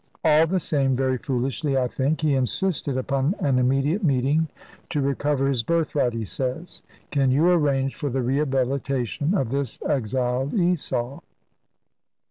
All the same very foolishly, I think he insisted upon an immediate meeting, to recover his birthright, he says. Can you arrange for the rehabilitation, of this exiled Esau?"